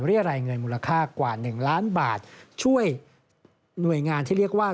รายเงินมูลค่ากว่า๑ล้านบาทช่วยหน่วยงานที่เรียกว่า